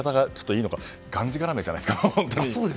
がんじがらめじゃないですか。